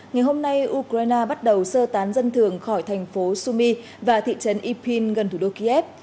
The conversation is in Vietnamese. ngày hôm nay ukraine bắt đầu sơ tán dân thường khỏi thành phố sumi và thị trấn epin gần thủ đô kiev